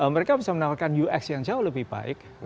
mereka bisa menawarkan ux yang jauh lebih baik